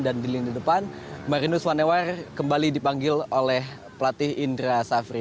dan di lini depan marinus wanewar kembali dipanggil oleh pelatih indra safri